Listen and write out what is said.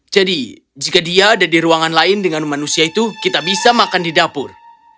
jika dia ada di ruangan lain dengan manusia itu kita bisa makan di dapur